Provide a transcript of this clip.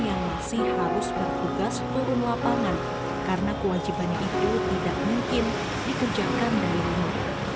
yang masih harus bertugas turun lapangan karena kewajibannya itu tidak mungkin dikerjakan dari rumah